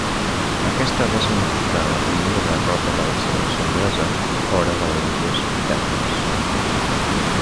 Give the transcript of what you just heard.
Aquesta va significar la primera derrota de la selecció anglesa fora de les Illes britàniques.